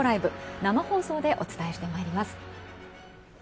生放送でお伝えしてまいります。